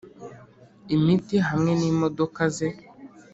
imiti hamwe n’imodoka ze